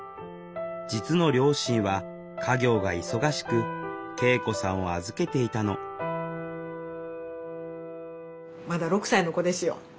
実の両親は家業が忙しく圭永子さんを預けていたのまだ６歳の子ですよ。